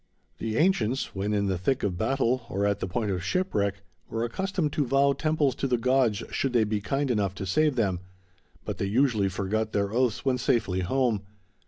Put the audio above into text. The ancients, when in the thick of battle, or at the point of shipwreck, were accustomed to vow temples to the gods should they be kind enough to save them, but they usually forgot their oaths when safely home.